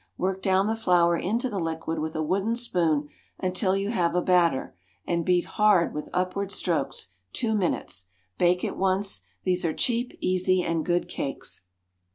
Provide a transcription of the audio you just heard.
Work down the flour into the liquid with a wooden spoon until you have a batter, and beat hard with upward strokes, two minutes. Bake at once. These are cheap, easy and good cakes.